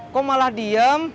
kok malah diem